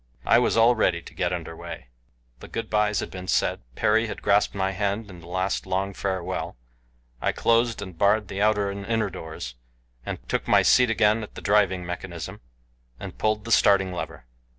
I was all ready to get under way. The good byes had been said. Perry had grasped my hand in the last, long farewell. I closed and barred the outer and inner doors, took my seat again at the driving mechanism, and pulled the starting lever.